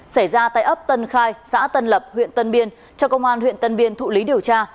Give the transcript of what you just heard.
xảy ra tại ấp tân khai xã tân lập huyện tân biên cho công an huyện tân biên thụ lý điều tra